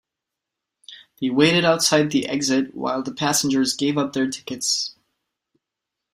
They waited outside the exit while the passengers gave up their tickets.